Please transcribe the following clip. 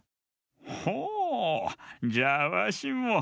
ほうじゃあわしも。